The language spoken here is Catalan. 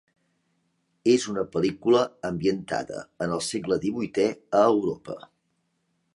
És una pel·lícula ambientada en el segle divuitè a Europa.